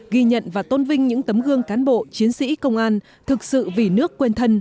ghi nhận và tôn vinh những tấm gương cán bộ chiến sĩ công an thực sự vì nước quên thân